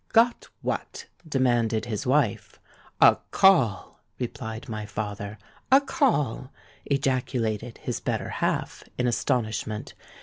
'—'Got what?' demanded his wife.—'A call!' replied my father.—'A call!' ejaculated his better half, in astonishment.